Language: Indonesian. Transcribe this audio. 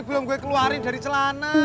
sebelum gue keluarin dari celana